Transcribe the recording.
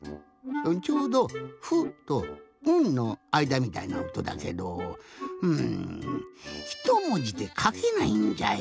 ちょうど「ふ」と「ん」のあいだみたいなおとだけどうんひともじでかけないんじゃよ。